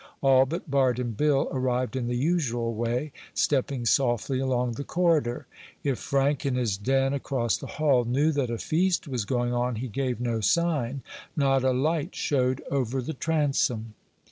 All but Bart and Bill arrived in the usual way, stepping softly along the corridor. If Frank, in his den across the hall, knew that a feast was going on he gave no sign. Not a light showed over the transom.